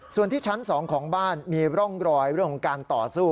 ส่วนที่ชั้น๒ของบ้านมีร่องรอยเรื่องของการต่อสู้